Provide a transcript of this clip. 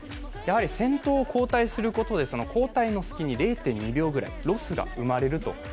やはり先頭を交代することで交代の隙に０．２秒くらいロスが生まれると。